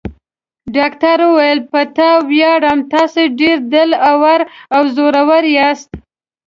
ډاکټر وویل: په تا ویاړو، تاسي ډېر دل اور او زړور یاست.